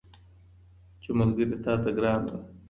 چي ملګري تاته ګران وه